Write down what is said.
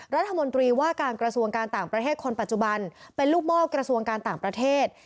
รัฐมนตรีว่าการกระทรวงการต่างประเทศคนปัจจุบันเป็นลูกหม้อกระทรวงการต่างประเทศ